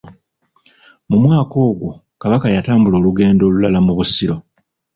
Mu mwaka ogwo Kabaka yatambula olugendo olulala mu Busiro.